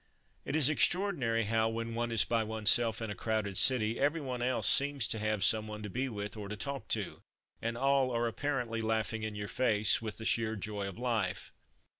It's extraordinary how, when one is by oneself in a crowded city, everyone else seems to have someone to be with or talk to, and all are apparently laughing in your face 212 From Mud to Mufti with the sheer joy of Hfe.